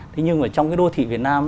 thế nhưng mà trong cái đô thị việt nam